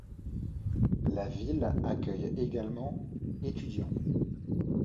La ville accueille également étudiants.